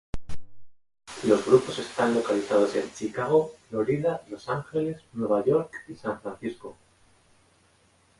Los grupos están localizados en Chicago, Florida, Los Angeles, Nueva York, y San Francisco.